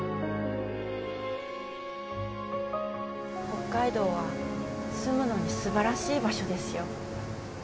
北海道は住むのに素晴らしい場所ですよ。